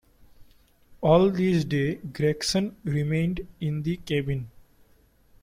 All this day Gregson remained in the cabin.